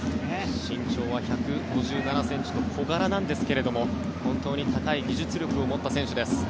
身長は１５７ｃｍと小柄なんですが本当に高い技術力を持った選手です。